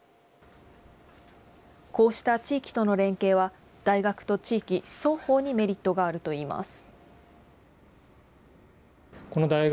こうした地域との連携は、大学と地域双方にメリットがあるといいます。